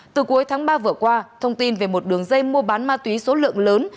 từ cuối tháng ba vừa qua thông tin về một đường dây mua bán ma túy số lượng lớn